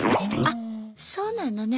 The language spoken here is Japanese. あっそうなのね。